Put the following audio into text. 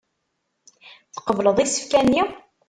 Tqebleḍ isefka-nni.